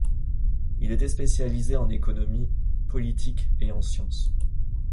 Il était spécialisé en économie politique et en sciences.